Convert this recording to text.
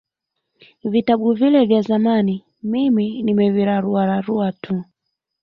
Vitabu vile vya zamani mimi nimeviraruararua tu